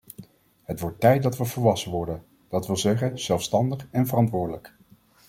Het wordt tijd dat we volwassen worden, dat wil zeggen zelfstandig en verantwoordelijk.